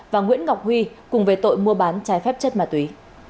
và nguyễn ngọc huy cùng về tội mua bán trái phép chất ma túy